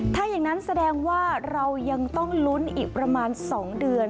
ถ้าอย่างนั้นแสดงว่าเรายังต้องลุ้นอีกประมาณ๒เดือน